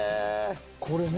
これね。